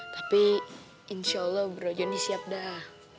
tapi insya allah bro johnny siap dah